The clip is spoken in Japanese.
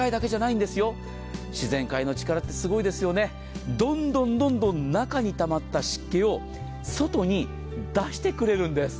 自然界の力ってすごいですよね、どんどん中にたまった湿気を外に出してくれるんです。